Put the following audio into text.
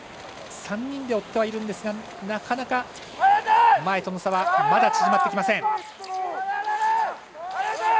３人で追っているんですがなかなか前との差はまだ縮まってきません。